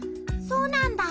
そうなんだ。